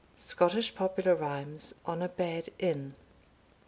Scottish Popular Rhymes on a bad Inn.